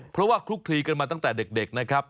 เพราะว่าคลุกคลีกันมาตั้งแต่เด็กนะครับ